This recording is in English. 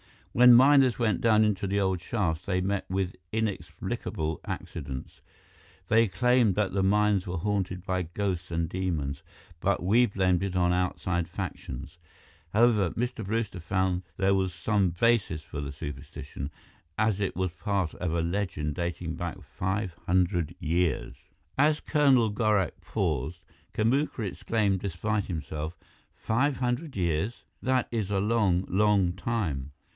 "When miners went down into the old shafts, they met with inexplicable accidents. They claimed that the mines were haunted by ghosts and demons, but we blamed it on outside factions. However, Mr. Brewster found there was some basis for the superstition, as it was part of a legend dating back five hundred years." As Colonel Gorak paused, Kamuka exclaimed despite himself, "Five hundred years! That is a long, long time!"